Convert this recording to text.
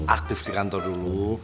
aktif di kantor dulu